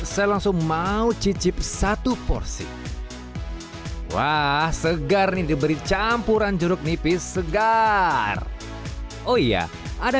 saya langsung mau cicip satu porsi wah segar nih diberi campuran jeruk nipis segar oh iya ada